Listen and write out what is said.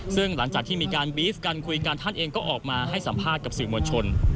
ซึ่งหลังจากที่มีการบีฟกันคุยกันท่านเองก็ออกมาให้สัมภาษณ์กับสื่อมวลชน